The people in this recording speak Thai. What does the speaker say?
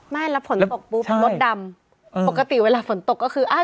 ไม่แล้วฝนตกปุ๊บมดดำปกติเวลาฝนตกก็คืออ้าว